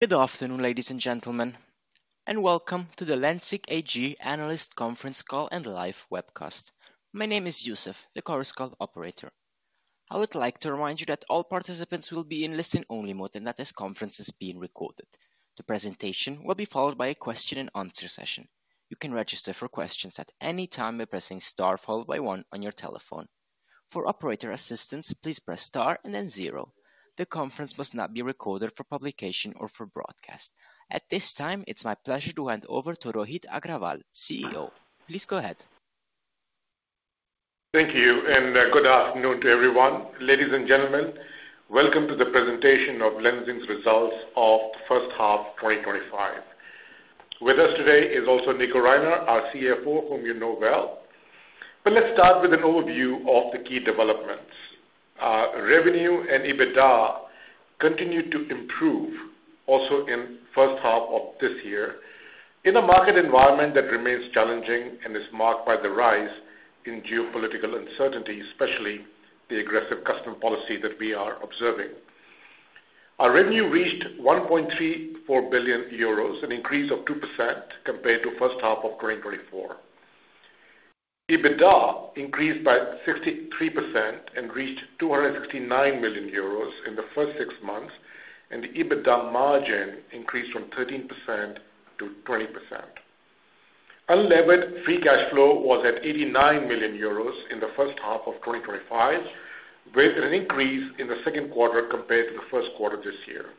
Good afternoon, ladies and gentlemen, and welcome to the Lenzing AG analyst conference call and live webcast. My name is Youssef, the Chorus Call operator. I would like to remind you that all participants will be in listen-only mode and that this conference is being recorded. The presentation will be followed by a question and answer session. You can register for questions at any time by pressing star followed by one on your telephone. For operator assistance, please press star and then zero. The conference must not be recorded for publication or for broadcast. At this time, it's my pleasure to hand over to Rohit Aggarwal, CEO. Please go ahead. Thank you, and good afternoon to everyone. Ladies and gentlemen, welcome to the presentation of Lenzing's results of the first half of 2025. With us today is also Nico Reiner, our CFO, whom you know well. Let's start with an overview of the key developments. Revenue and EBITDA continue to improve, also in the first half of this year, in a market environment that remains challenging and is marked by the rise in geopolitical uncertainty, especially the aggressive custom policy that we are observing. Our revenue reached 1.34 billion euros, an increase of 2% compared to the first half of 2024. EBITDA increased by 63% and reached 269 million euros in the first six months, and the EBITDA margin increased from 13% to 20%. Unlevered Free Cash Flow was at 89 million euros in the first half of 2025, with an increase in the second quarter compared to the first quarter of this year.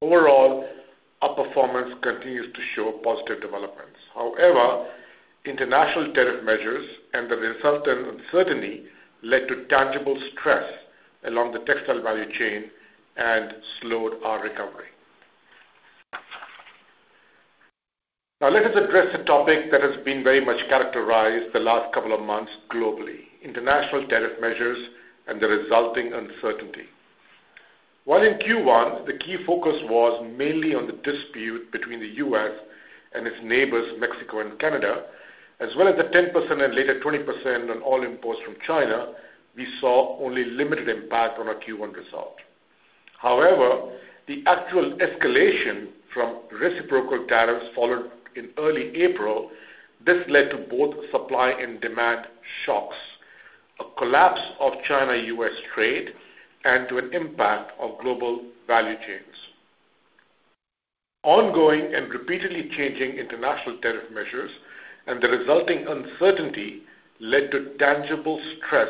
Overall, our performance continues to show positive developments. However, international tariff measures and the resultant uncertainty led to tangible stress along the textile value chain and slowed our recovery. Now, let us address a topic that has very much characterized the last couple of months globally: international tariff measures and the resulting uncertainty. While in Q1, the key focus was mainly on the dispute between the U.S. and its neighbors, Mexico and Canada, as well as the 10% and later 20% on all imports from China, we saw only limited impact on our Q1 result. The actual escalation from reciprocal tariffs followed in early April, this led to both supply and demand shocks, a collapse of China-U.S. trade, and to an impact on global value chains. Ongoing and repeatedly changing international tariff measures and the resulting uncertainty led to tangible stress,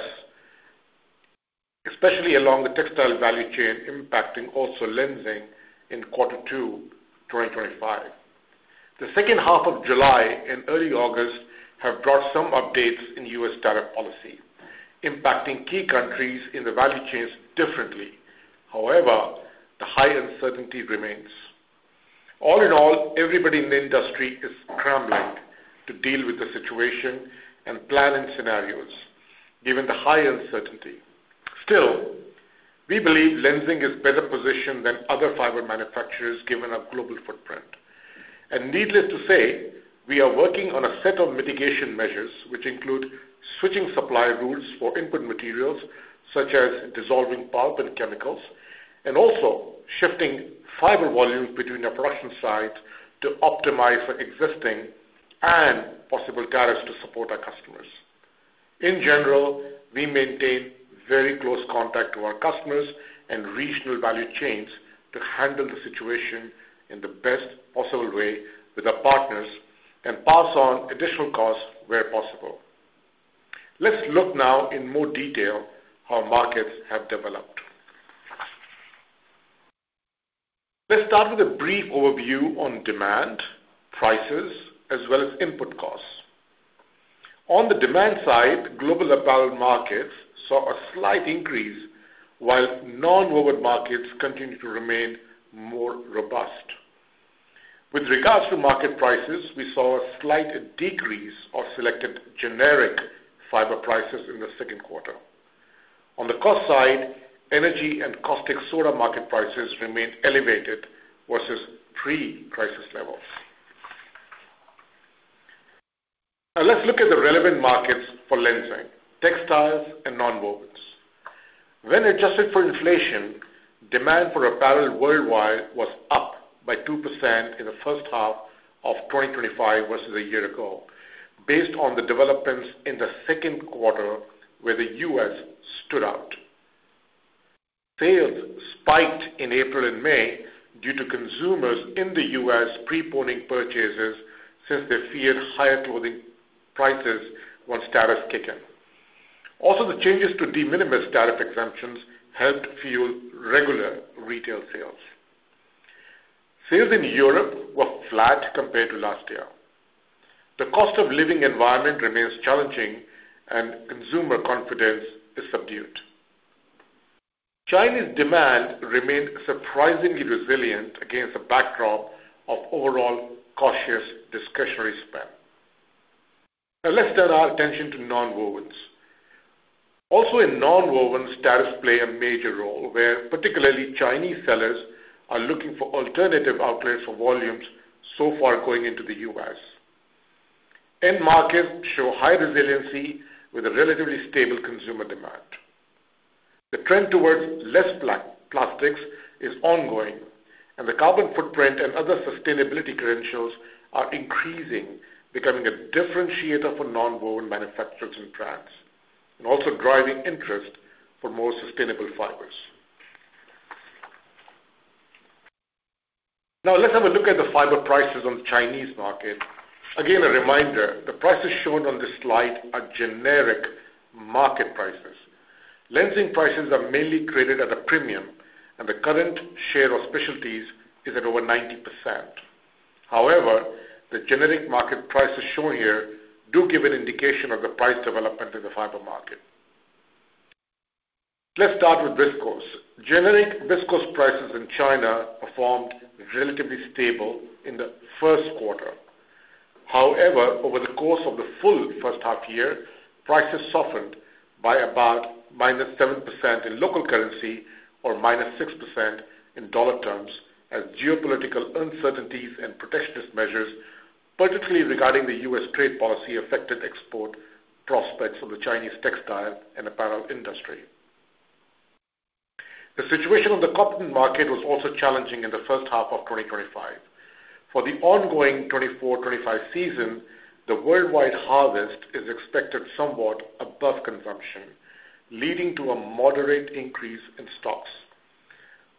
especially along the textile value chain, impacting also Lenzing in quarter two, 2025. The second half of July and early August have brought some updates in U.S. tariff policy, impacting key countries in the value chains differently. The high uncertainty remains. All in all, everybody in the industry is scrambling to deal with the situation and plan in scenarios, given the high uncertainty. Still, we believe Lenzing is better positioned than other fiber manufacturers given our global footprint. Needless to say, we are working on a set of mitigation measures, which include switching supply routes for input materials, such as dissolving wood pulp and chemicals, and also shifting fiber volume between our production sites to optimize for existing and possible tariffs to support our customers. In general, we maintain very close contact with our customers and regional value chains to handle the situation in the best possible way with our partners and pass on additional costs where possible. Let's look now in more detail at how markets have developed. Let's start with a brief overview on demand, prices, as well as input costs. On the demand side, global apparel markets saw a slight increase, while non-wovens markets continue to remain more robust. With regards to market prices, we saw a slight decrease of selected generic fiber prices in the second quarter. On the cost side, energy and caustic soda market prices remain elevated versus pre-crisis levels. Let's look at the relevant markets for Lenzing: textiles and non-wovens. When adjusted for inflation, demand for apparel worldwide was up by 2% in the first half of 2025 versus a year ago, based on the developments in the second quarter where the U.S. stood out. Sales spiked in April and May due to consumers in the U.S. preponing purchases since they feared higher clothing prices once tariffs kick in. Also, the changes De Minimis Tariff Exemptions helped fuel regular retail sales. Sales in Europe were flat compared to last year. The cost-of-living environment remains challenging, and consumer confidence is subdued. Chinese demand remained surprisingly resilient against a backdrop of overall cautious discretionary spend. Let's turn our attention to non-wovens. Also, in non-wovens, tariffs play a major role, where particularly Chinese sellers are looking for alternative outlets for volumes so far going into the U.S. End markets show high resiliency with a relatively stable consumer demand. The trend towards less plastics is ongoing, and the carbon footprint and other sustainability credentials are increasing, becoming a differentiator for non-woven manufacturers and brands, and also driving interest for more sustainable fibers. Now, let's have a look at the fiber prices on the Chinese market. Again, a reminder, the prices shown on this slide are generic market prices. Lenzing prices are mainly created at a premium, and the current share of specialties is at over 90%. However, the generic market prices shown here do give an indication of the price development in the fiber market. Let's start with viscose. Generic viscose prices in China performed relatively stable in the first quarter. However, over the course of the full first half year, prices softened by about -7% in local currency or -6% in dollar terms, as geopolitical uncertainties and protectionist measures, particularly regarding the U.S. trade policy, affected export prospects for the Chinese textile and apparel industry. The situation on the cotton market was also challenging in the first half of 2025. For the ongoing 2024-2025 season, the worldwide harvest is expected somewhat above consumption, leading to a moderate increase in stocks.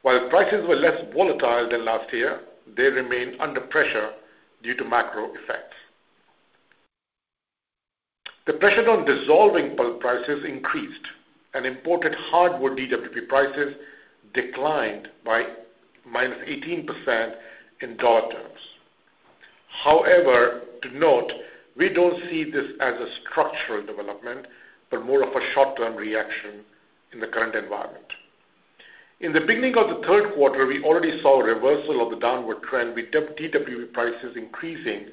While prices were less volatile than last year, they remain under pressure due to macro effects. The pressure on dissolving pulp prices increased, and imported hardwood DWP prices declined by -18% in dollar terms. However, to note, we don't see this as a structural development, but more of a short-term reaction in the current environment. In the beginning of the third quarter, we already saw a reversal of the downward trend, with DWP prices increasing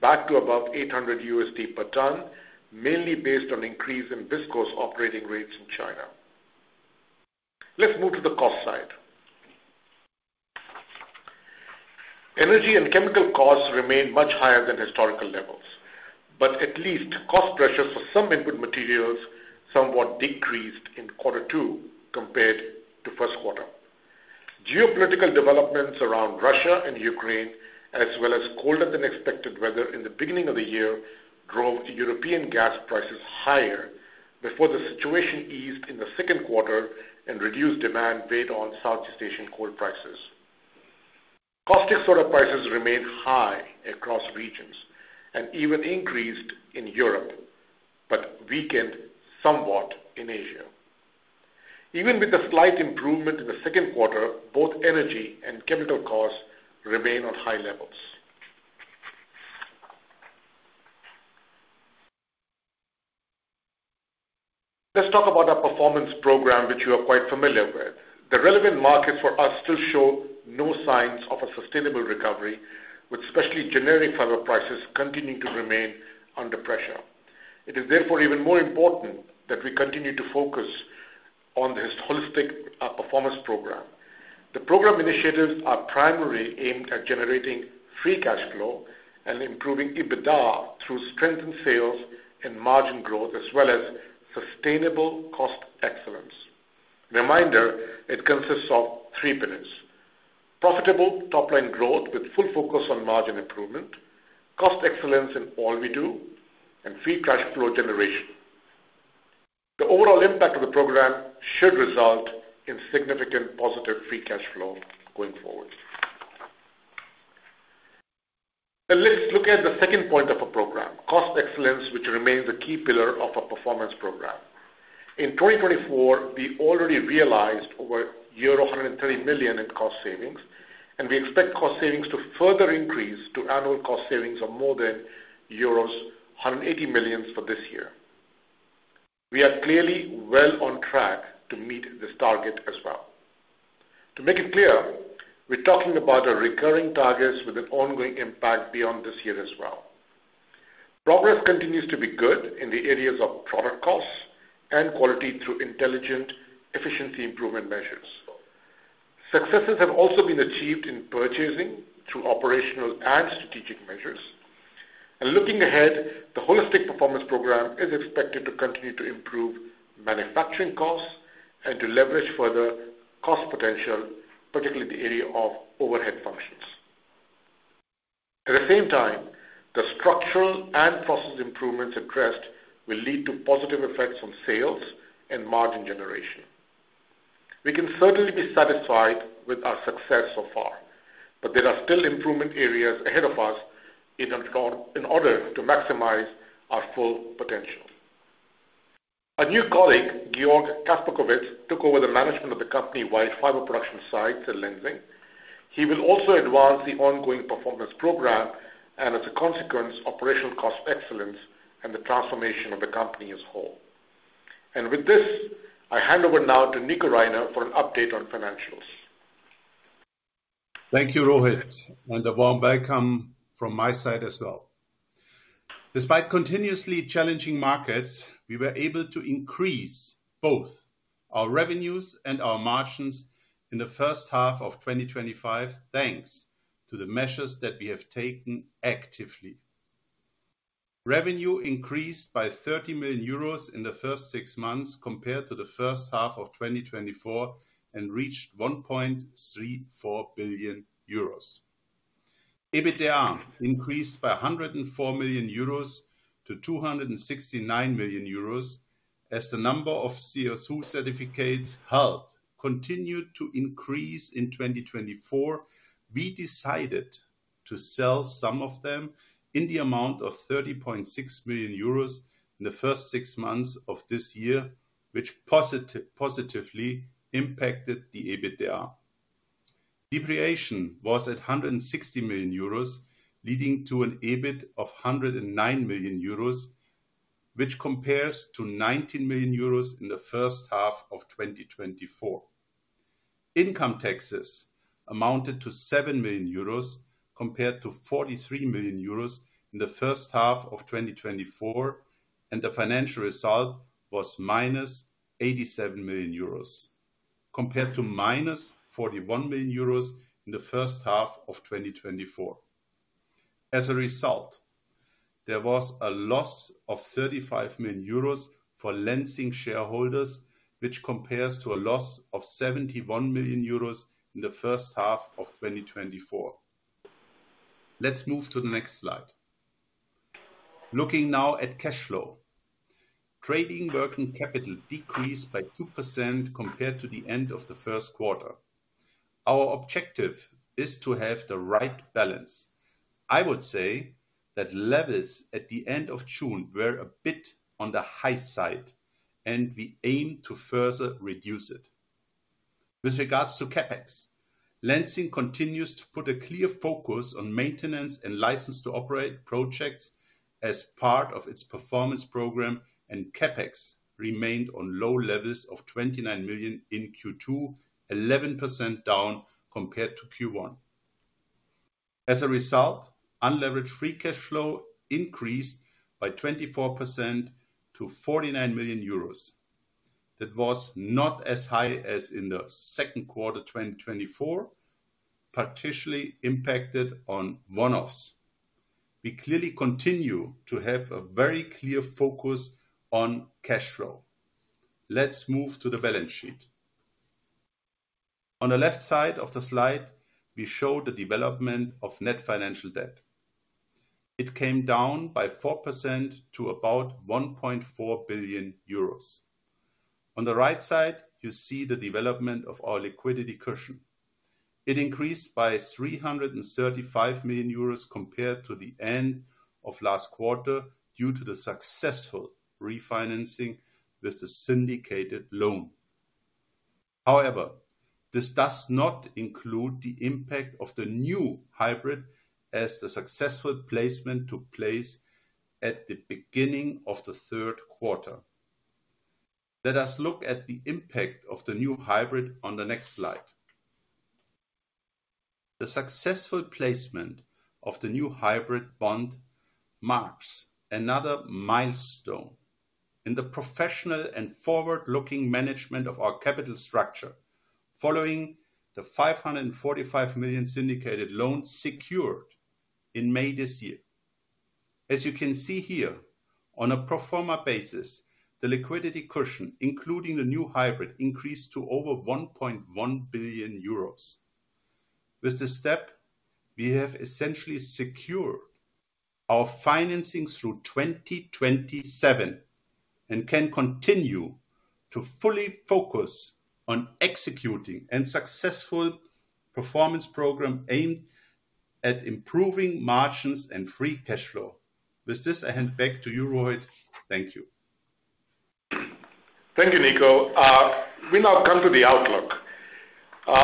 back to about $800 per ton, mainly based on an increase in viscose operating rates in China. Let's move to the cost side. Energy and chemical costs remain much higher than historical levels, but at least cost pressure for some input materials somewhat decreased in quarter two compared to the first quarter. Geopolitical developments around Russia and Ukraine, as well as colder than expected weather in the beginning of the year, drove European gas prices higher before the situation eased in the second quarter and reduced demand weighed on Southeast Asian coal prices. Caustic soda prices remained high across regions and even increased in Europe, but weakened somewhat in Asia. Even with a slight improvement in the second quarter, both energy and chemical costs remain on high levels. Let's talk about our performance program, which you are quite familiar with. The relevant markets for us still show no signs of a sustainable recovery, with especially generic fiber prices continuing to remain under pressure. It is therefore even more important that we continue to focus on the holistic performance program. The program initiatives are primarily aimed at generating free cash flow and improving EBITDA through strengthened sales and margin growth, as well as sustainable cost excellence. Reminder, it consists of three pillars: profitable top-line growth with full focus on margin improvement, cost excellence in all we do, and free cash flow generation. The overall impact of the program should result in significant positive free cash flow going forward. Let's look at the second point of our program: cost excellence, which remains a key pillar of our performance program. In 2024, we already realized over euro 130 million in cost savings, and we expect cost savings to further increase to annual cost savings of more than euros 180 million for this year. We are clearly well on track to meet this target as well. To make it clear, we're talking about recurring targets with an ongoing impact beyond this year as well. Progress continues to be good in the areas of product costs and quality through intelligent efficiency improvement measures. Successes have also been achieved in purchasing through operational and strategic measures. Looking ahead, the holistic performance program is expected to continue to improve manufacturing costs and to leverage further cost potential, particularly in the area of overhead functions. At the same time, the structural and process improvements addressed will lead to positive effects on sales and margin generation. We can certainly be satisfied with our success so far, but there are still improvement areas ahead of us in order to maximize our full potential. Our new colleague, Georg Kasperkovitz, took over the management of the company-wide fiber production sites at Lenzing. He will also advance the ongoing performance program and, as a consequence, operational cost excellence and the transformation of the company as a whole. With this, I hand over now to Nico Reiner for an update on financials. Thank you, Rohit, and a warm welcome from my side as well. Despite continuously challenging markets, we were able to increase both our revenues and our margins in the first half of 2025, thanks to the measures that we have taken actively. Revenue increased by 30 million euros in the first six months compared to the first half of 2024 and reached 1.34 billion euros. EBITDA increased by 104 million euros to 269 million euros. As the number of CO2 certificates held continued to increase in 2024, we decided to sell some of them in the amount of 30.6 million euros in the first six months of this year, which positively impacted the EBITDA. Depreciation was at 160 million euros, leading to an EBIT of 109 million euros, which compares to 19 million euros in the first half of 2024. Income taxes amounted to EUR 7 million compared to 43 million euros in the first half of 2024, and the financial result was -87 million euros compared to -41 million euros in the first half of 2024. As a result, there was a loss of 35 million euros for Lenzing shareholders, which compares to a loss of 71 million euros in the first half of 2024. Let's move to the next slide. Looking now at cash flow. Trading working capital decreased by 2% compared to the end of the first quarter. Our objective is to have the right balance. I would say that levels at the end of June were a bit on the high side, and we aim to further reduce it. With regards to CapEx, Lenzing continues to put a clear focus on maintenance and license-to-operate projects as part of its performance program, and CapEx remained on low levels of 29 million in Q2, 11% down compared to Q1. As a result, Unlevered Free Cash Flow increased by 24% to 49 million euros. It was not as high as in the second quarter of 2024, but partially impacted on one-offs. We clearly continue to have a very clear focus on cash flow. Let's move to the balance sheet. On the left side of the slide, we show the development of net financial debt. It came down by 4% to about 1.4 billion euros. On the right side, you see the development of our liquidity cushion. It increased by 335 million euros compared to the end of last quarter due to the successful refinancing with the syndicated loan. However, this does not include the impact of the new hybrid as the successful placement took place at the beginning of the third quarter. Let us look at the impact of the new hybrid on the next slide. The successful placement of the new hybrid bond marks another milestone in the professional and forward-looking management of our capital structure following the 545 million syndicated loan secured in May this year. As you can see here, on a pro forma basis, the liquidity cushion, including the new hybrid, increased to over 1.1 billion euros. With this step, we have essentially secured our financing through 2027 and can continue to fully focus on executing a successful performance program aimed at improving margins and free cash flow. With this, I hand back to you, Rohit. Thank you. Thank you, Nico. We now come to the outlook.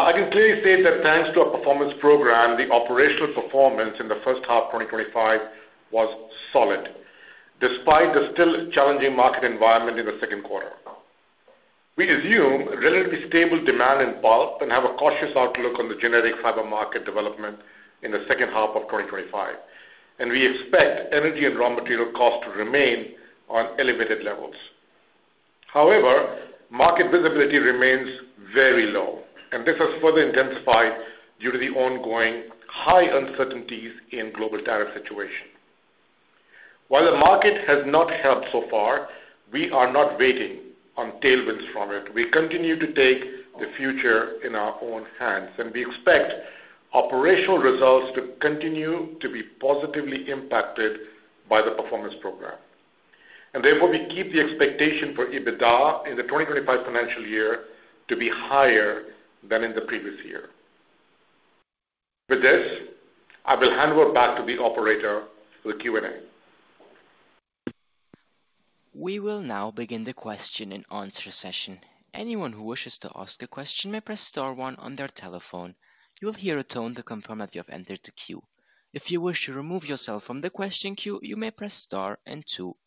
I can clearly say that thanks to our performance program, the operational performance in the first half of 2025 was solid, despite the still challenging market environment in the second quarter. We resume relatively stable demand in pulp and have a cautious outlook on the generic fiber market development in the second half of 2025. We expect energy and raw material costs to remain on elevated levels. However, market visibility remains very low, and this has further intensified due to the ongoing high uncertainties in the global tariff situation. While the market has not helped so far, we are not waiting on tailwinds from it. We continue to take the future in our own hands, and we expect operational results to continue to be positively impacted by the performance program. Therefore, we keep the expectation for EBITDA in the 2025 financial year to be higher than in the previous year. With this, I will hand over back to the operator for the Q&A. We will now begin the question and answer session. Anyone who wishes to ask a question may press star one on their telephone. You'll hear a tone to confirm that you have entered the queue. If you wish to remove yourself from the question queue, you may press star and two.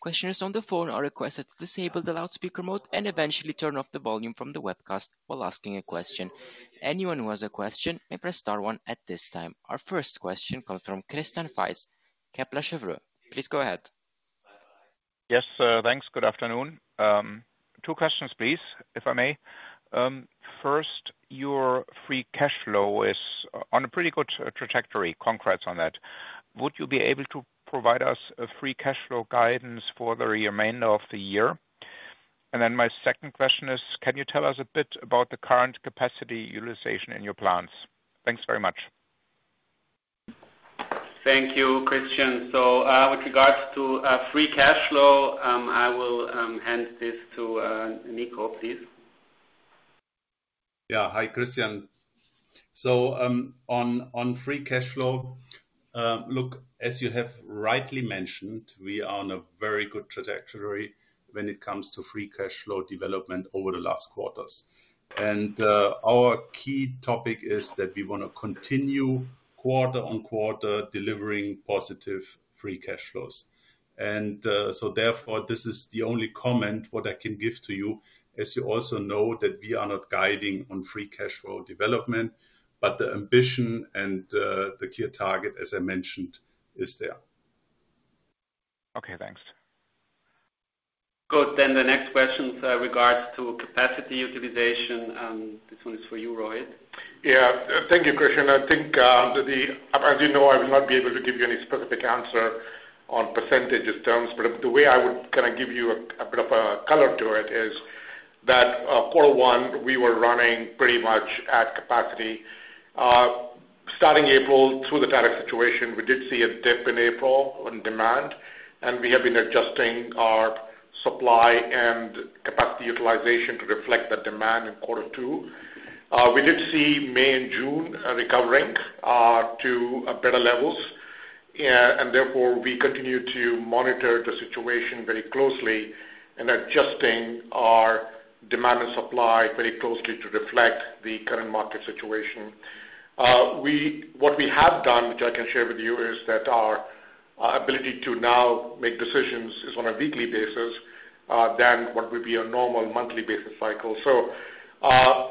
Questioners on the phone are requested to disable the loudspeaker mode and eventually turn off the volume from the webcast while asking a question. Anyone who has a question may press star one at this time. Our first question comes from Christian Faitz, Kepler Cheuvreux. Please go ahead. Yes, thanks. Good afternoon. Two questions, please, if I may. First, your free cash flow is on a pretty good trajectory. Congrats on that. Would you be able to provide us free cash flow guidance for the remainder of the year? My second question is, can you tell us a bit about the current capacity utilization in your plants? Thanks very much. Thank you, Christian. With regards to free cash flow, I will hand this to Nico, please. Yeah, hi Christian. On free cash flow, as you have rightly mentioned, we are on a very good trajectory when it comes to free cash flow development over the last quarters. Our key topic is that we want to continue quarter on quarter delivering positive free cash flows. Therefore, this is the only comment I can give to you, as you also know that we are not guiding on free cash flow development, but the ambition and the clear target, as I mentioned, is there. Okay, thanks. Good. The next question is in regards to capacity utilization. This one is for you, Rohit. Yeah, thank you, Christian. I think that, as you know, I will not be able to give you any specific answer on percentage terms, but the way I would kind of give you a bit of a color to it is that for one, we were running pretty much at capacity. Starting April through the tariff situation, we did see a dip in April in demand, and we have been adjusting our supply and capacity utilization to reflect that demand in quarter two. We did see May and June recovering to better levels. Therefore, we continue to monitor the situation very closely and adjusting our demand and supply very closely to reflect the current market situation. What we have done, which I can share with you, is that our ability to now make decisions is on a weekly basis than what would be a normal monthly basis cycle.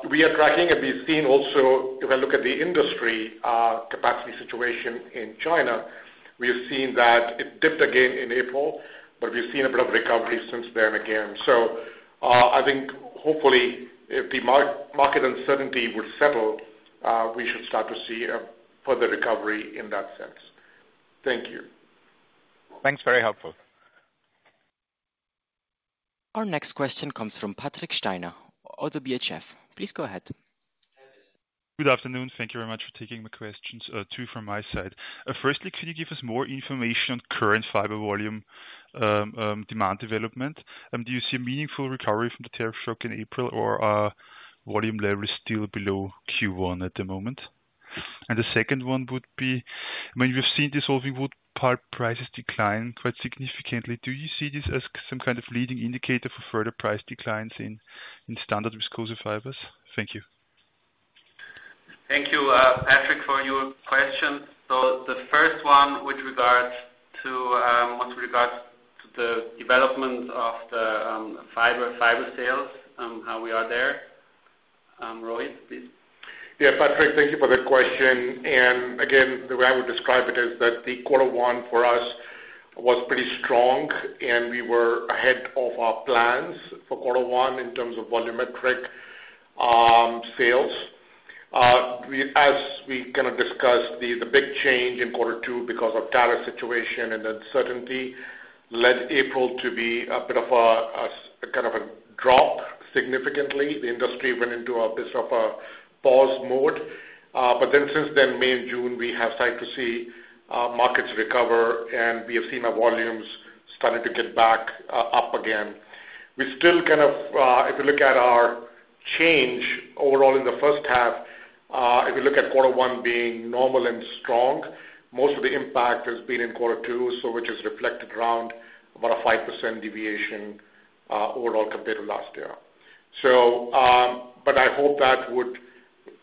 We are tracking, and we've seen also, if I look at the industry capacity situation in China, we have seen that it dipped again in April, but we've seen a bit of recovery since then again. I think hopefully if the market uncertainty would settle, we should start to see a further recovery in that sense. Thank you. Thanks, very helpful. Our next question comes from Patrick Steiner, also ODDO BHF. Please go ahead. Good afternoon. Thank you very much for taking my questions, two from my side. Firstly, can you give us more information on current fiber volume demand development? Do you see a meaningful recovery from the tariff shock in April, or are volume levels still below Q1 at the moment? The second one would be, I mean, we've seen dissolving wood pulp prices decline quite significantly. Do you see this as some kind of leading indicator for further price declines in standard viscose fibers? Thank you. Thank you, Patrick, for your question. The first one with regards to the development of the fiber sales and how we are there. Rohit, please. Yeah, Patrick, thank you for the question. The way I would describe it is that quarter one for us was pretty strong, and we were ahead of our plans for quarter one in terms of volumetric sales. As we discussed, the big change in quarter two because of the tariff situation and uncertainty led April to be a bit of a drop significantly. The industry went into a bit of a pause mode. Since then, May and June, we have started to see markets recover, and we have seen our volumes starting to get back up again. If you look at our change overall in the first half, if you look at quarter one being normal and strong, most of the impact has been in quarter two, which is reflected around about a 5% deviation overall compared to last year. I hope that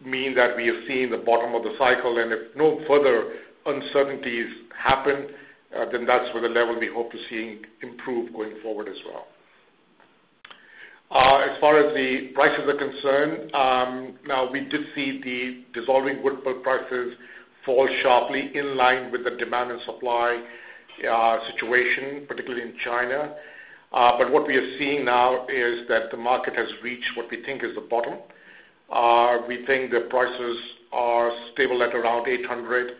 would mean that we have seen the bottom of the cycle, and if no further uncertainties happen, then that's where the level we hope to see improve going forward as well. As far as the prices are concerned, we did see the dissolving wood pulp prices fall sharply in line with the demand and supply situation, particularly in China. What we are seeing now is that the market has reached what we think is the bottom. We think the prices are stable at around $800,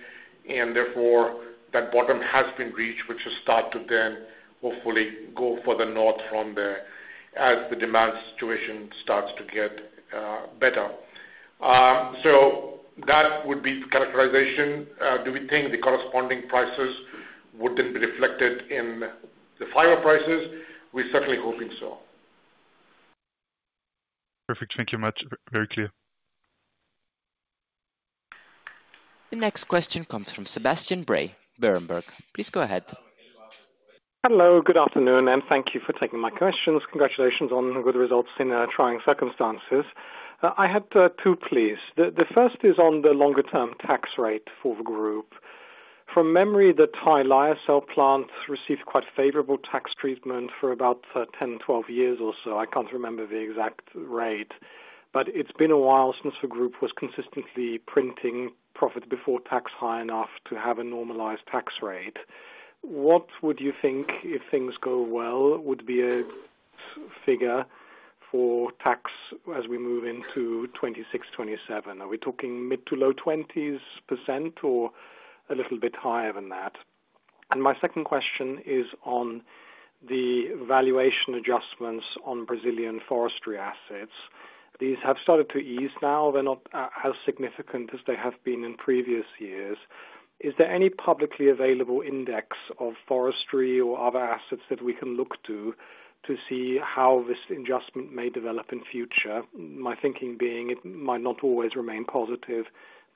and therefore that bottom has been reached, which has started to then hopefully go further north from there as the demand situation starts to get better. That would be the characterization. Do we think the corresponding prices would then be reflected in the fiber prices? We're certainly hoping so. Perfect. Thank you very much. Very clear. The next question comes from Sebastian Bray, Berenberg. Please go ahead. Hello, good afternoon, and thank you for taking my questions. Congratulations on good results in trying circumstances. I had two, please. The first is on the longer-term tax rate for the group. From memory, the Thai lyocell plant received quite favorable tax treatment for about 10, 12 years or so. I can't remember the exact rate, but it's been a while since the group was consistently printing profit before tax high enough to have a normalized tax rate. What would you think, if things go well, would be a figure for tax as we move into 2026-2027? Are we talking mid to low 20% or a little bit higher than that? My second question is on the valuation adjustments on Brazilian forestry assets. These have started to ease now. They're not as significant as they have been in previous years. Is there any publicly available index of forestry or other assets that we can look to to see how this adjustment may develop in the future? My thinking being it might not always remain positive,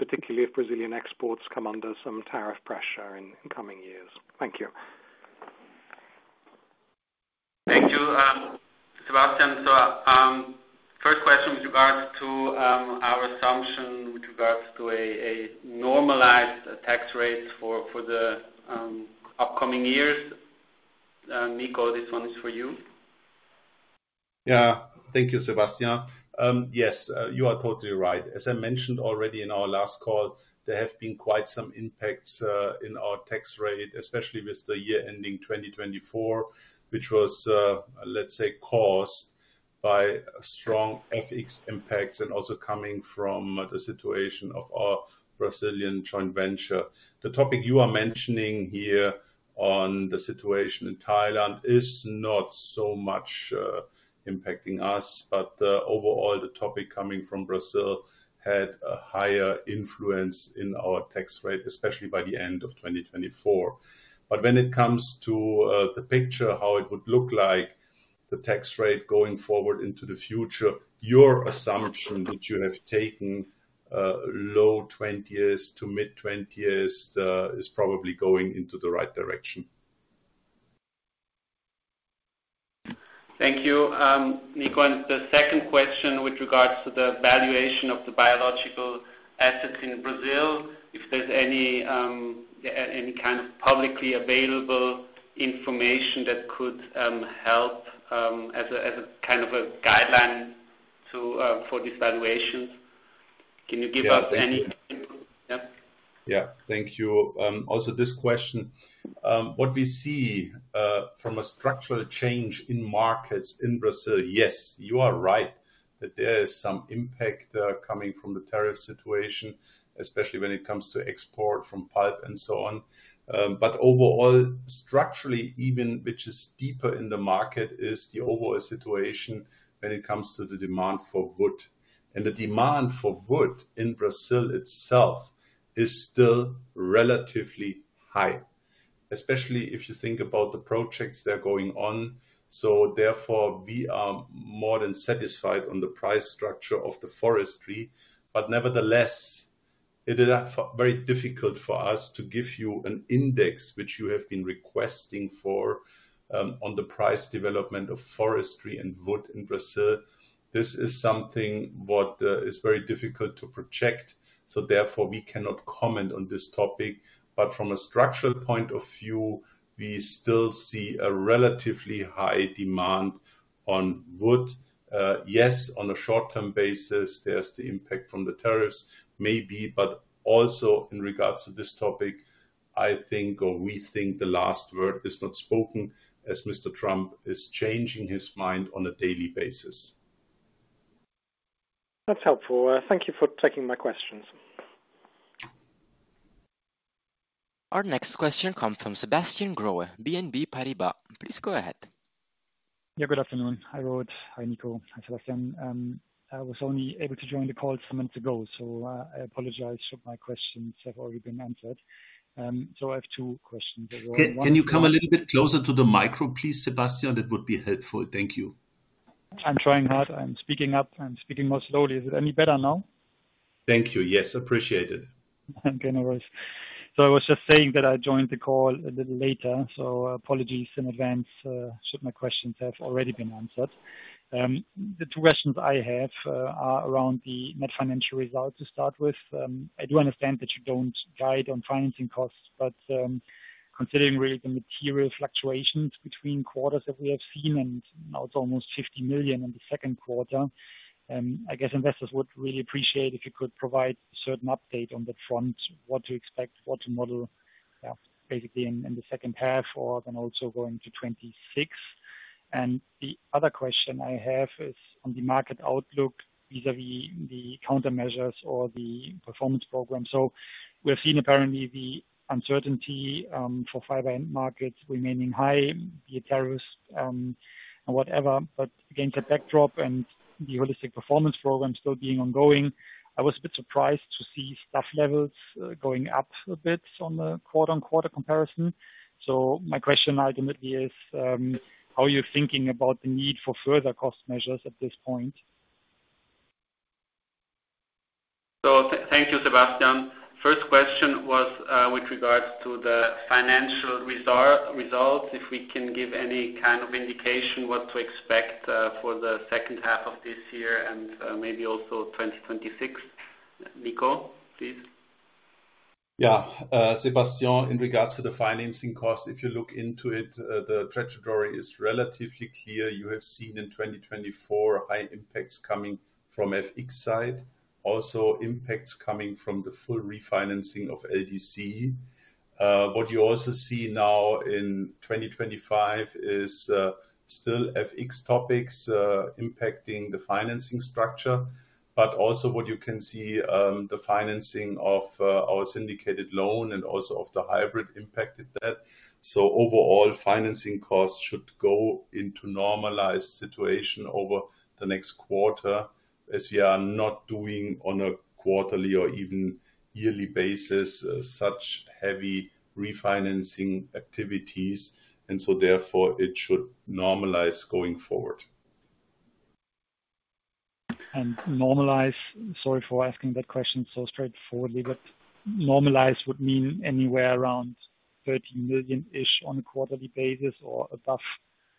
particularly if Brazilian exports come under some tariff pressure in the coming years. Thank you. Thank you, Sebastian. The first question is with regards to our assumption with regards to a normalized tax rate for the upcoming years. Nico, this one is for you. Yeah, thank you, Sebastian. Yes, you are totally right. As I mentioned already in our last call, there have been quite some impacts in our tax rate, especially with the year ending 2024, which was, let's say, caused by strong FX impacts and also coming from the situation of our Brazilian joint venture. The topic you are mentioning here on the situation in Thailand is not so much impacting us, but overall, the topic coming from Brazil had a higher influence in our tax rate, especially by the end of 2024. When it comes to the picture, how it would look like, the tax rate going forward into the future, your assumption that you have taken low 20s to mid 20s is probably going into the right direction. Thank you, Nico. The second question with regards to the valuation of the biological assets in Brazil, if there's any kind of publicly available information that could help as a kind of guideline for these valuations. Can you give us any? Yeah, thank you. Also, this question, what we see from a structural change in markets in Brazil, yes, you are right that there is some impact coming from the tariff situation, especially when it comes to export from pulp and so on. Overall, structurally, even which is deeper in the market is the overall situation when it comes to the demand for wood. The demand for wood in Brazil itself is still relatively high, especially if you think about the projects that are going on. Therefore, we are more than satisfied on the price structure of the forestry. Nevertheless, it is very difficult for us to give you an index which you have been requesting for on the price development of forestry and wood in Brazil. This is something that is very difficult to project. Therefore, we cannot comment on this topic. From a structural point of view, we still see a relatively high demand on wood. Yes, on a short-term basis, there's the impact from the tariffs, maybe, but also in regards to this topic, I think, or we think the last word is not spoken as Mr. Trump is changing his mind on a daily basis. That's helpful. Thank you for taking my questions. Our next question comes from Sebastian Growe, BNP Paribas. Please go ahead. Yeah, good afternoon. Hi, Rohit. Hi, Nico. Hi, Sebastian. I was only able to join the calls a month ago, so I apologize should my questions have already been answered. I have two questions. Can you come a little bit closer to the mic, please, Sebastian? That would be helpful. Thank you. I'm trying hard. I'm speaking up. I'm speaking more slowly. Is it any better now? Thank you. Yes, appreciated. Okay, no worries. I was just saying that I joined the call a little later, so apologies in advance should my questions have already been answered. The two questions I have are around the net financial results to start with. I do understand that you don't guide on financing costs, but considering really the material fluctuations between quarters that we have seen, and now it's almost $50 million in the second quarter, I guess investors would really appreciate if you could provide a certain update on that front, what to expect, what to model, basically in the second half or also going to 2026. The other question I have is on the market outlook vis-à-vis the countermeasures or the performance program. We have seen apparently the uncertainty for fiber markets remaining high, the tariffs, and whatever. Against that backdrop and the holistic performance program still being ongoing, I was a bit surprised to see staff levels going up a bit on the quarter-on-quarter comparison. My question ultimately is, how are you thinking about the need for further cost measures at this point? Thank you, Sebastian. First question was with regards to the financial results, if we can give any kind of indication what to expect for the second half of this year and maybe also 2026. Nico, please. Yeah, Sebastian, in regards to the financing cost, if you look into it, the trajectory is relatively clear. You have seen in 2024 high impacts coming from the FX side, also impacts coming from the full refinancing of LDC. What you also see now in 2025 is still FX topics impacting the financing structure, but also what you can see, the financing of our syndicated loan and also of the hybrid impacted that. Overall, financing costs should go into a normalized situation over the next quarter, as we are not doing on a quarterly or even yearly basis such heavy refinancing activities. Therefore, it should normalize going forward. To normalize, sorry for asking that question so straightforwardly, but normalize would mean anywhere around $30 million on a quarterly basis or above,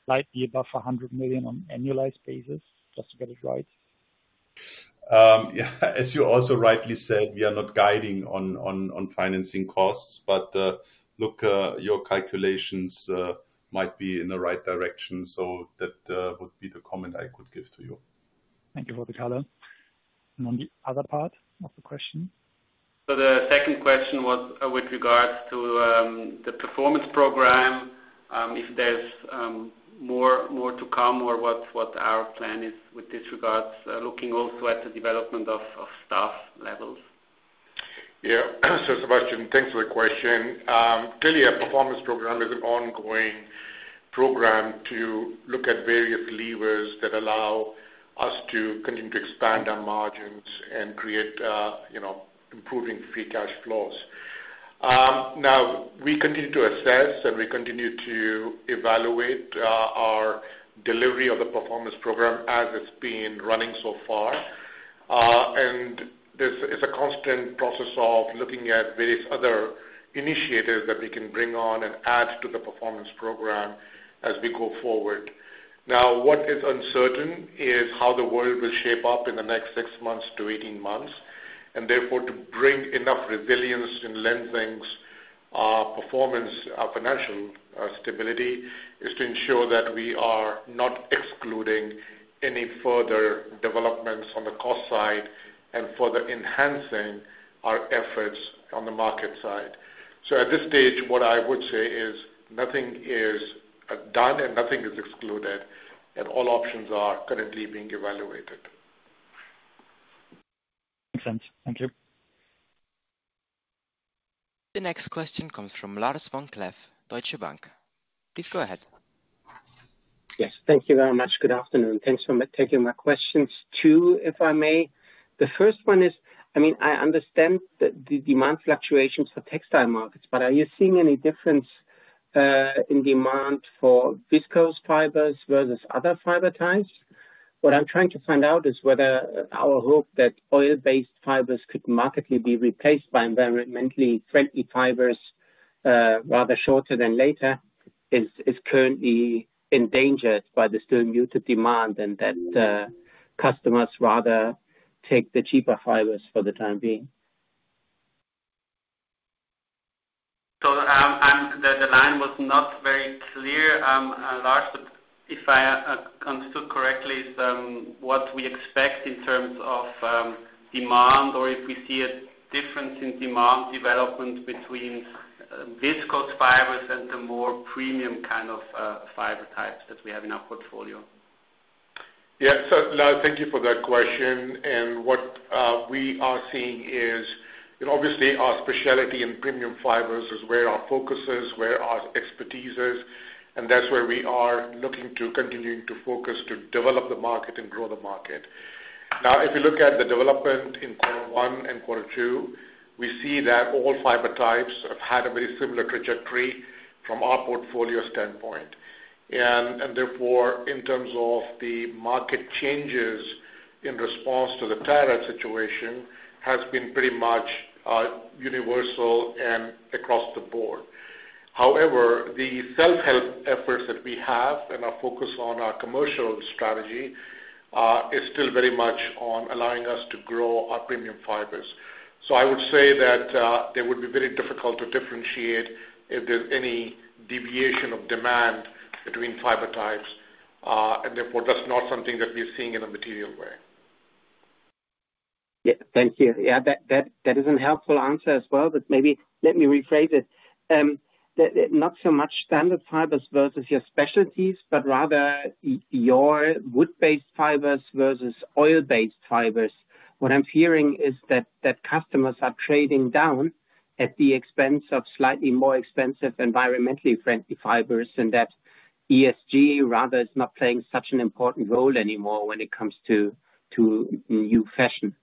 slightly above $100 million on an annualized basis, just to get it right. Yeah, as you also rightly said, we are not guiding on financing costs, but look, your calculations might be in the right direction. That would be the comment I could give to you. Thank you, Rohit. Hello. On the other part of the question? The second question was with regards to the performance program, if there's more to come or what our plan is with this regard, looking also at the development of staff levels. Yeah, so Sebastian, thanks for the question. Clearly, our performance program is an ongoing program to look at various levers that allow us to continue to expand our margins and create, you know, improving free cash flows. We continue to assess and we continue to evaluate our delivery of the performance program as it's been running so far. There's a constant process of looking at various other initiatives that we can bring on and add to the performance program as we go forward. What is uncertain is how the world will shape up in the next six months to 18 months. Therefore, to bring enough resilience in Lenzing's performance, our financial stability is to ensure that we are not excluding any further developments on the cost side and further enhancing our efforts on the market side. At this stage, what I would say is nothing is done and nothing is excluded, and all options are currently being evaluated. Makes sense. Thank you. The next question comes from Lars Vom Cleff, Deutsche Bank. Please go ahead. Yes, thank you very much. Good afternoon. Thanks for taking my questions too, if I may. The first one is, I mean, I understand the demand fluctuations for textile markets, but are you seeing any difference in demand for viscose fibers versus other fiber types? What I'm trying to find out is whether our hope that oil-based fibers could markedly be replaced by environmentally friendly fibers rather sooner than later is currently endangered by the still muted demand and that customers rather take the cheaper fibers for the time being. The line was not very clear, Lars, but if I understood correctly, what we expect in terms of demand or if we see a difference in demand development between viscose fibers and the more premium kind of fiber types that we have in our portfolio. Yeah, Lars, thank you for that question. What we are seeing is that obviously our specialty and premium fibers is where our focus is, where our expertise is, and that's where we are looking to continue to focus to develop the market and grow the market. If you look at the development in quarter one and quarter two, we see that all fiber types have had a very similar trajectory from our portfolio standpoint. Therefore, in terms of the market changes in response to the tariff situation, it has been pretty much universal and across the board. However, the self-help efforts that we have and our focus on our commercial strategy is still very much on allowing us to grow our premium fibers. I would say that it would be very difficult to differentiate if there's any deviation of demand between fiber types, and therefore, that's not something that we're seeing in a material way. Yeah, thank you. That is a helpful answer as well, but maybe let me rephrase it. Not so much standard fibers versus your specialties, but rather your wood-based fibers versus oil-based fibers. What I'm hearing is that customers are trading down at the expense of slightly more expensive environmentally friendly fibers, and that ESG rather is not playing such an important role anymore when it comes to new fashion.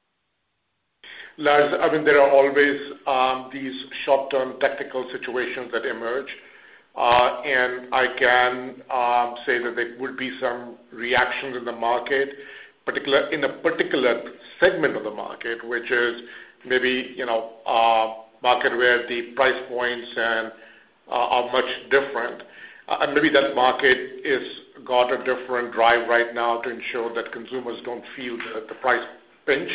Lars, I mean, there are always these short-term technical situations that emerge, and I can say that there would be some reactions in the market, particularly in a particular segment of the market, which is maybe, you know, a market where the price points are much different. Maybe that market has got a different drive right now to ensure that consumers don't feel the price pinch.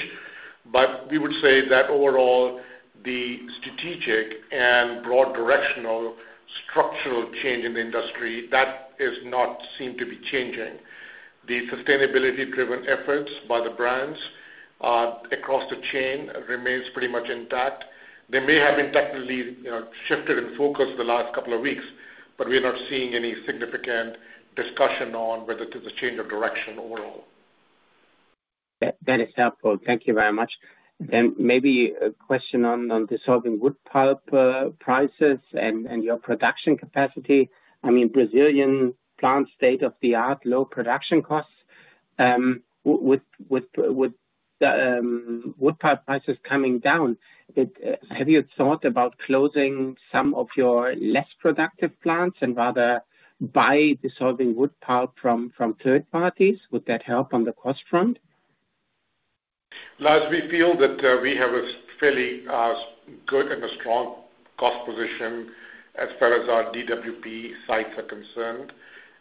We would say that overall, the strategic and broad directional structural change in the industry, that is not seen to be changing. The sustainability-driven efforts by the brands across the chain remain pretty much intact. They may have been technically shifted in focus in the last couple of weeks, but we're not seeing any significant discussion on whether there's a change of direction overall. That is helpful. Thank you very much. Maybe a question on dissolving wood pulp prices and your production capacity. I mean, Brazilian plants, state-of-the-art, low production costs. With wood pulp prices coming down, have you thought about closing some of your less productive plants and rather buy dissolving wood pulp from third parties? Would that help on the cost front? Lars, we feel that we have a fairly good and a strong cost position as far as our DWP sites are concerned.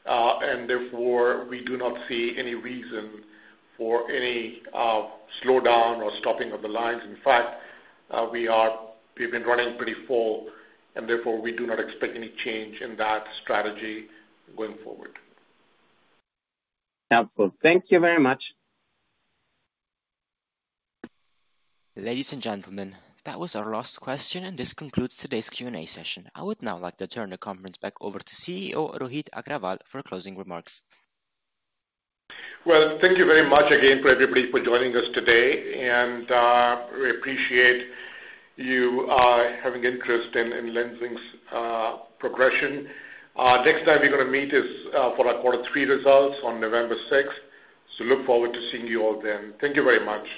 Therefore, we do not see any reason for any slowdown or stopping of the lines. In fact, we have been running pretty full, and therefore, we do not expect any change in that strategy going forward. Helpful. Thank you very much. Ladies and gentlemen, that was our last question, and this concludes today's Q&A session. I would now like to turn the conference back over to CEO Rohit Aggarwal for closing remarks. Thank you very much again for everybody for joining us today, and we appreciate you having interest in Lenzing's progression. Next time we're going to meet is for our quarter three results on November 6th. Look forward to seeing you all then. Thank you very much.